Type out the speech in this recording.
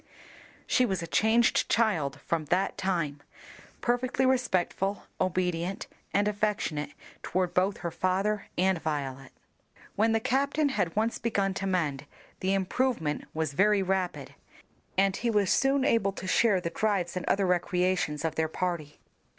She was a changed child from that time, perfectly respectful, obedient, and affectionate toward both her father and Violet. When the captain had once begun to mend, the improvement was very rapid, and he was soon able to share in the drives and other recreations of their party.